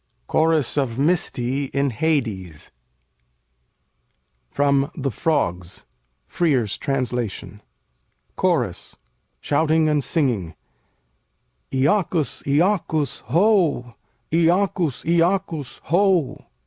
CHORUS OF MYSTÆ IN HADES From 'The Frogs': Frere's Translation CHORUS [shouting and singing'] Iacchus! Iacchus! Ho! Iacchus! Iacchus! Ho!